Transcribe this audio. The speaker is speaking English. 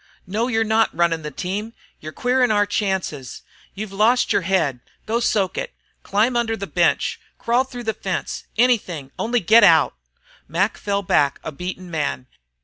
"No, you're not running the team. You're queering our chances. You've lost your head. Go soak it! Climb under the bench! Crawl through the fence! Anything only get out!" Mac fell back a beaten man.